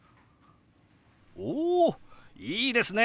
おいいですね！